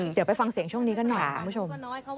เดี๋ยวไปฟังเสียงช่วงนี้กันหน่อยคุณผู้ชม